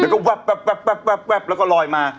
ก็วับแล้วลอยมา